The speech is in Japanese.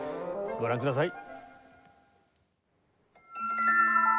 ご覧ください。